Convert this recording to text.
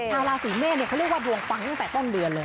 ชาวราศีเมษเขาเรียกว่าดวงปังตั้งแต่ต้นเดือนเลย